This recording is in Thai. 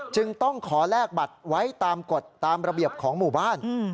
จึงต้องขอแลกบัตรไว้ตามกฎตามระเบียบของหมู่บ้าน